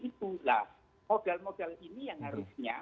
itulah modal modal ini yang harusnya